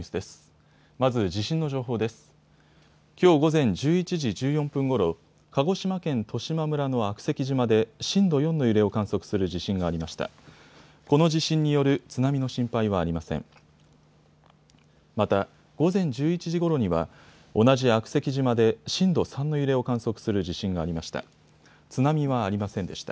また、午前１１時ごろには同じ悪石島で震度３の揺れを観測する地震がありました。